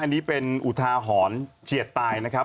อันนี้เป็นอุทาหรณ์เฉียดตายนะครับ